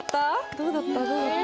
どうだった？